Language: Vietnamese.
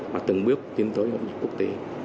và từng bước tiến tới hội nhập quốc tế